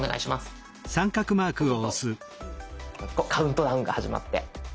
そうするとカウントダウンが始まって。